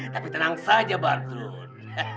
tapi tenang saja bartun